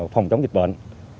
phòng chống dịch bệnh